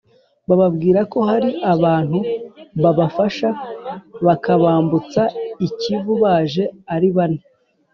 Bababwira ko hari abantu babafasha bakabambutsa i Kivu baje ari bane